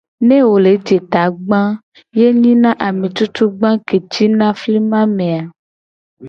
Ne wo le je tagba a, ye nyina ame cucugbo ke cina flima me a.